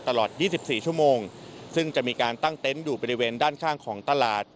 ตลอด๒๔ชั่วโมงซึ่งจะมีการตั้งเต็นต์อยู่บริเวณด้านข้างของตลาด